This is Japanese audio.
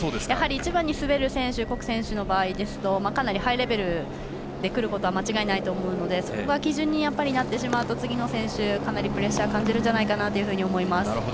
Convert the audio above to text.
やはり１番に滑る選手谷選手の場合ですとかなりハイレベルでくることは間違いないと思うのでそこが基準になってしまうと次の選手かなりプレッシャー感じるんじゃないかと思います。